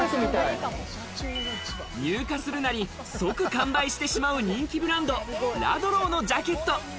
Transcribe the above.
入荷するなり即完売してしまう、人気ブランドＬＵＤＬＯＷのジャケット。